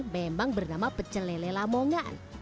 memang bernama pecelele lamongan